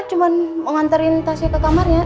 cuman mau nganterin tasya ke kamarnya